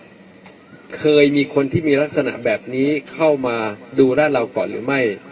เกิดเหตุช่วยกันดูว่าเคยมีคนที่มีลักษณะแบบนี้เข้ามาดูร้านเราก่อนหรือไม่